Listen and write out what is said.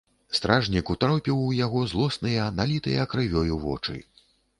Стражнік утаропіў у яго злосныя, налітыя крывёю вочы.